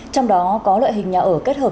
trong đó có loại hình nhà ở kết hợp